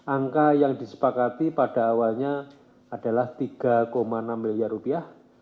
angka yang disepakati pada awalnya adalah tiga enam miliar rupiah